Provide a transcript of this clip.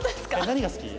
何が好き？